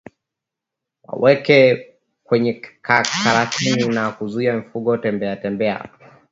Waweke kwenye karantini na kuzuia mifugo kutembeatembea